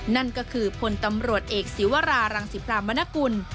นั่นก็คือพลตำรวจเอกศิวรารังศิพรามนกุล